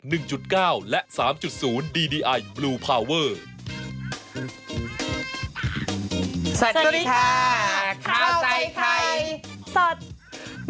สวัสดีค่ะสวัสดีค่ะสวัสดีค่ะสวัสดีค่ะสวัสดีค่ะสวัสดีค่ะสวัสดีค่ะสวัสดีค่ะคุณแม่สวัสดีค่ะคุณแม่สวัสดีค่ะสวัสดีค่ะ